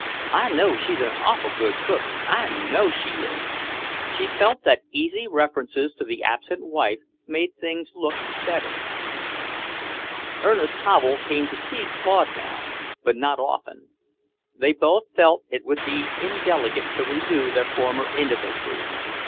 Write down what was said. I know she's an awful good cook, I know she is." She felt that easy references to the absent wife made things look better. Ernest Havel came to see Claude now, but not often. They both felt it would be indelicate to renew their former intimacy.